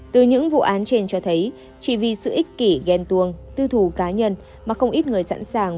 từ những vụ án trên cho thấy chỉ vì sự ích kỷ ghen tuồng tư thù cá nhân mà không ít người sẵn sàng